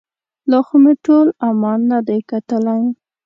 لا خو مې ټول عمان نه دی کتلی.